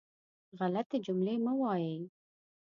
غلطې جملې مه وایئ.